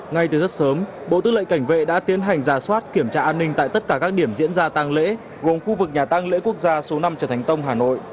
ngay từ rất sớm bộ tư lệnh cảnh vệ đã tiến hành giả soát kiểm tra an ninh tại tất cả các điểm diễn ra tăng lễ gồm khu vực nhà tăng lễ quốc gia số năm trần thánh tông hà nội